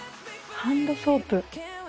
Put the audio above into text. ハンドソープ。